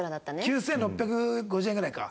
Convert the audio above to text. ９６５０円ぐらいか。